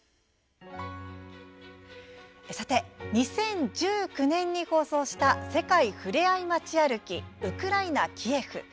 さて２０１９年に放送した「世界ふれあい街歩きウクライナ・キエフ」。